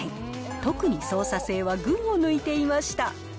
特に操作性は群を抜いていました。